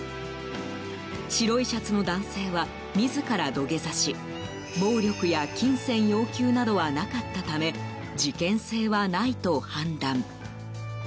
白いシャツの男性は自ら土下座し暴力や金銭要求などはなかったため事件性はないと判断。